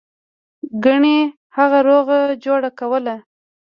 ګنې هغه روغه جوړه کوله.